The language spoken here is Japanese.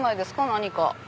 何か。